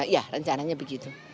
ya rencananya begitu